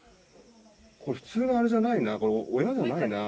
これ普通のあれじゃないな。